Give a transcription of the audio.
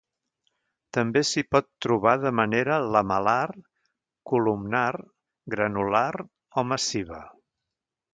També s'hi pot trobar de manera lamel·lar, columnar, granular o massiva.